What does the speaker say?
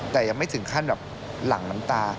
แต่ยังไม่ถึงขั้นแบบหลั่งน้ำตา